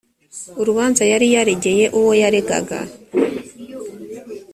urubanza yari yaregeye uwo yaregaga